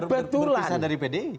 berpisah dari pdip